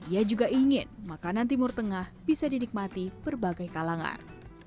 ia juga ingin makanan timur tengah bisa dinikmati berbagai kalangan